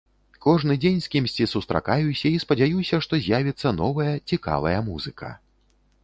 Кожны дзень з кімсьці сустракаюся і спадзяюся, што з'явіцца новая цікавая музыка.